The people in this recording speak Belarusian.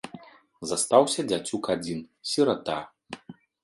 Застаўся дзяцюк адзін, сірата.